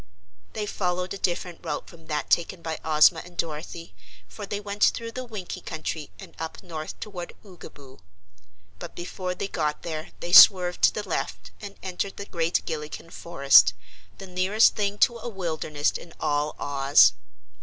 They followed a different route from that taken by Ozma and Dorothy, for they went through the Winkie Country and up north toward Oogaboo. But before they got there they swerved to the left and entered the Great Gillikin Forest, the nearest thing to a wilderness in all Oz.